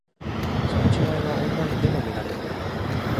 その違いはオンラインでも見られる。